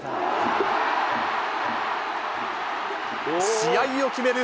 試合を決める